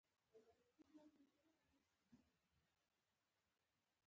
بادرنګ د وجود سوخت اراموي.